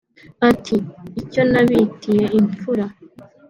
Ati icyo nabitiye imfura